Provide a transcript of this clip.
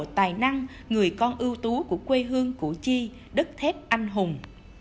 tài năng người con ưu tú của quê hương củ chi đất thép anh hùng